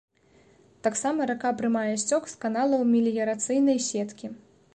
Таксама рака прымае сцёк з каналаў меліярацыйнай сеткі.